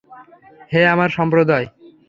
হে আমাদের সম্প্রদায়!